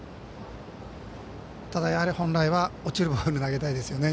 ただ、やはり本来は投げるボール投げたいですよね。